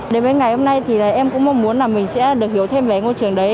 đến với ngày hôm nay thì em cũng mong muốn là mình sẽ được hiểu thêm về ngôi trường đấy